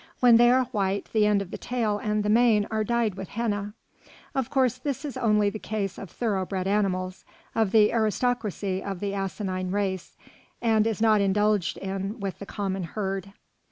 When they are white, the end of the tail and the mane are dyed with henna. Of course this is only in the case of thorough bred animals, of the aristocracy of the asinine race, and is not indulged in with the common herd.